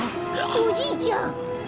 おじいちゃん！